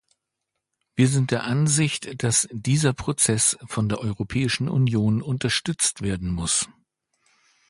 Wir sind der Ansicht, dass dieser Prozess von der Europäischen Union unterstützt werden muss.